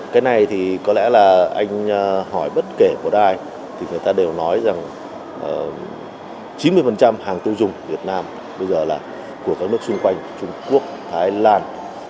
cái này thì có lẽ là anh hỏi bất kể của ai thì người ta đều nói rằng chín mươi hàng tiêu dùng việt nam bây giờ là của các nước xung quanh trung quốc thái lan